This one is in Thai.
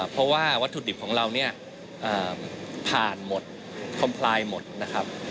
เพราะว่าวัตถุดิบของเราเนี่ยผ่านหมดคอมพลายหมดนะครับ